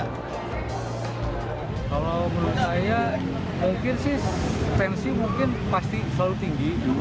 kalau menurut saya mungkin sih tensi mungkin pasti selalu tinggi